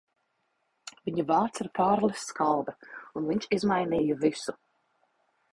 Viņa vārds ir Kārlis Skalbe, un viņš izmainīja visu.